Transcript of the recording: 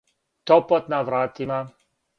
Топот на вратима.